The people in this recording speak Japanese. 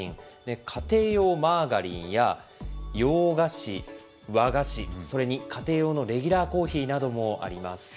家庭用マーガリンや洋菓子、和菓子、それに家庭用のレギュラーコーヒーなどもあります。